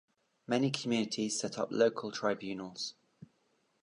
Many communities set up local tribunals.